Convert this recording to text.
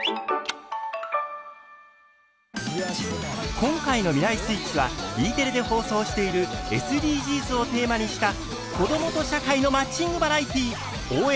今回の「未来スイッチ」はＥテレで放送しているＳＤＧｓをテーマにした子どもと社会のマッチングバラエティー「応援！